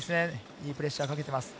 いいプレッシャーをかけてます。